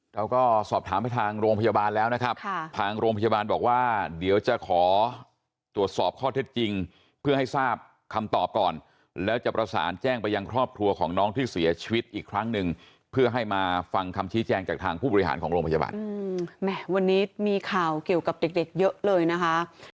เราก็สอบถามไปทางโรงพยาบาลแล้วนะครับทางโรงพยาบาลบอกว่าเดี๋ยวจะขอตรวจสอบข้อเท็จจริงเพื่อให้ทราบคำตอบก่อนแล้วจะประสานแจ้งไปยังครอบครัวของน้องที่เสียชีวิตอีกครั้งหนึ่งเพื่อให้มาฟังคำชี้แจงจากทางผู้บริหารของโรงพยาบาลแหมวันนี้มีข่าวเกี่ยวกับเด็กเด็กเยอะเลยนะคะ